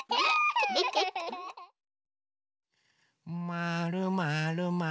まるまるまる。